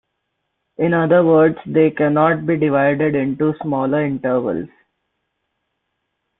In other words, they cannot be divided into smaller intervals.